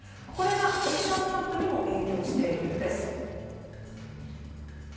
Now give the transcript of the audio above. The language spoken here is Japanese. これが沖縄キャンプにも影響しているんです。